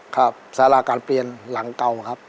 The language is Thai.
ครับสาราการเปลี่ยนหลังเก่าครับ